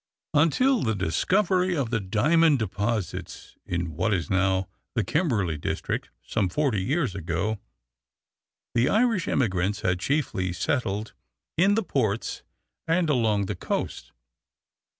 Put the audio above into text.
Until the discovery of the diamond deposits in what is now the Kimberley district, some forty years ago, the Irish immigrants had chiefly settled in the ports and along the coast.